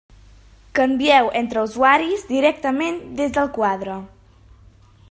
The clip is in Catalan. Canvieu entre usuaris directament des del quadre.